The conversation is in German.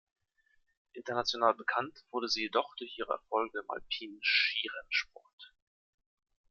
International bekannt wurde sie jedoch durch ihre Erfolge im alpinen Skirennsport.